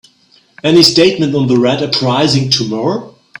Any statement on the Red uprising tomorrow?